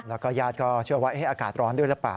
แล้วก็ญาติก็เชื่อว่าอากาศร้อนด้วยหรือเปล่า